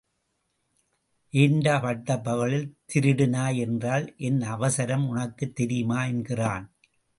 ஏண்டா பட்டப்பகலில் திருடினாய் என்றால் என் அவசரம் உனக்குத் தெரியுமா என்கிறான்.